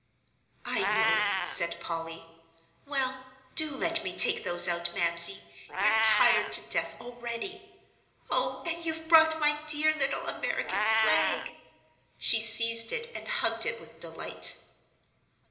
"I know," said Polly. "Well, do let me take those out, Mamsie; you're tired to death, already. Oh, and you've brought my dear little American flag!" She seized it and hugged it with delight.